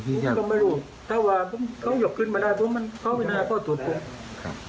ไม่หยกขึ้นมาได้พวกมันเข้าไปน่าข้อโทษ